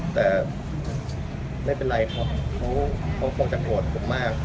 แต่ไม่เป็นไรครับเขาคงจะโกรธผมมาก